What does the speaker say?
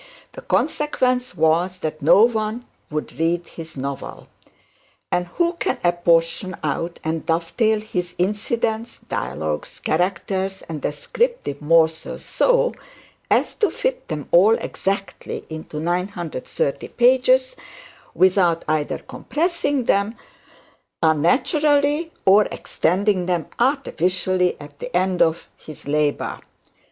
The consequence was, that no one should read his novel. And who can apportion out and dovetail his incidents, dialogues, characters, and descriptive morsels, so as to fit them all exactly into 439 pages, without either compressing them unnaturally, or extending them artificially at the end of his labour?